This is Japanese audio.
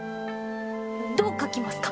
どう書きますか？